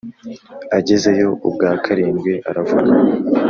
Agezeyo ubwa karindwi aravuga